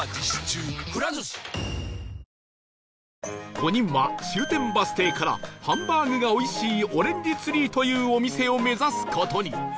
５人は終点バス停からハンバーグがおいしいオレンジツリーというお店を目指す事に